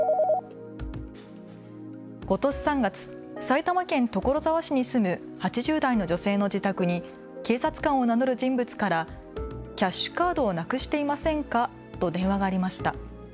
ことし３月、埼玉県所沢市に住む８０代の女性の自宅に警察官を名乗る人物からキャッシュカードをなくしていませんかと電話がありました。